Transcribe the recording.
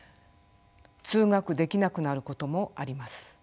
通学できなくなることもあります。